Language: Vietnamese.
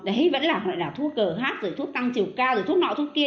đấy vẫn là loại nào thuốc gh thuốc tăng chiều cao thuốc nọ thuốc kia